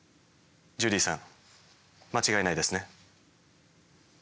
ジュディさん間違いないですね？